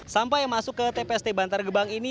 sampah yang masuk ke tpst bantar gebang ini